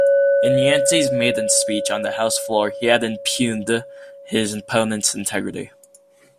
In Yancey's maiden speech on the House floor, he had impugned his opponent's integrity.